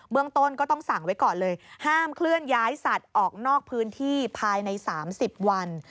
เมืองต้นก็ต้องสั่งไว้ก่อนเลยห้ามเคลื่อนย้ายสัตว์ออกนอกพื้นที่ภายใน๓๐วัน